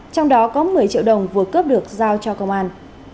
trong đó có một mươi triệu đồng vừa cướp được giao cho công an